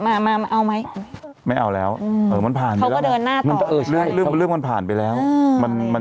ดึงแหวมมาถึงตรงนี้ได้เนอะ